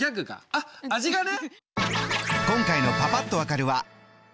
あっ味がね！